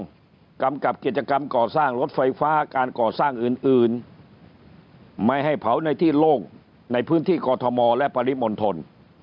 กำกับกิจกรรมก่อสร้างรถไฟฟ้าการก่อสร้างอื่นไม่ให้เผาในที่โล่งในพื้นที่กอทมและปริมณฑล